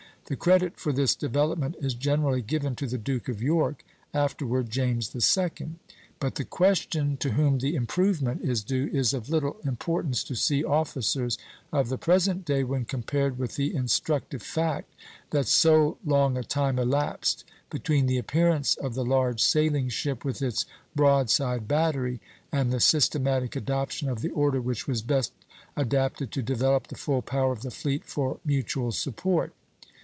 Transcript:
The credit for this development is generally given to the Duke of York, afterward James II.; but the question to whom the improvement is due is of little importance to sea officers of the present day when compared with the instructive fact that so long a time elapsed between the appearance of the large sailing ship, with its broadside battery, and the systematic adoption of the order which was best adapted to develop the full power of the fleet for mutual support.